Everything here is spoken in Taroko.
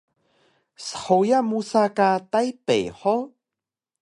Shuya musa ka Taypey hug?